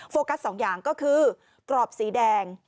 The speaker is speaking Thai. กัสสองอย่างก็คือกรอบสีแดง